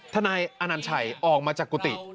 นายอนัญชัยออกมาจากกุฏิ